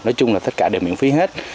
nói chung là tất cả đều miễn phí hết